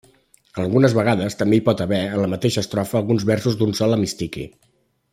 Algunes vegades, també hi pot haver, en la mateixa estrofa, alguns versos d'un sol hemistiqui.